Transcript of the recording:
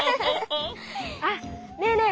あっねえね